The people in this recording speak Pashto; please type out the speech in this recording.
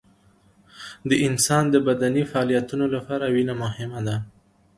د انسان د بدني فعالیتونو لپاره وینه مهمه ده